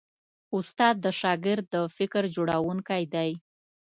استاد د شاګرد د فکر جوړوونکی دی.